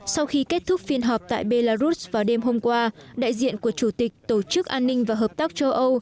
sau khi kết thúc phiên họp tại belarus vào đêm hôm qua đại diện của chủ tịch tổ chức an ninh và hợp tác châu âu